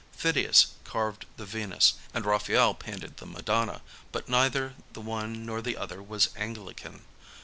Phidias carved the Venus, and Raphael painted the Madonna, but neither the one nor the other was Anglican.